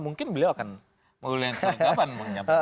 mungkin beliau akan meluluh yang selengkapan menurutnya